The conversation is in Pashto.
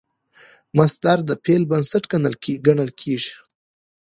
مصدر د فعل بنسټ ګڼل کېږي.